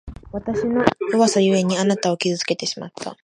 わたしの弱さゆえに、あなたを傷つけてしまった。